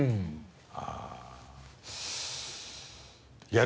ああ。